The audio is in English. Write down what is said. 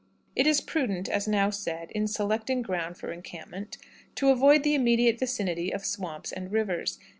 "It is prudent, as now said, in selecting ground for encampment, to avoid the immediate vicinity of swamps and rivers.